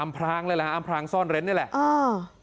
พรางเลยแหละอำพลางซ่อนเร้นนี่แหละอ่า